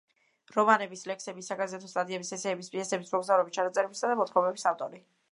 რომანების, ლექსების, საგაზეთო სტატიების, ესეების, პიესების, მოგზაურობის ჩანაწერებისა და მოთხრობების ავტორი.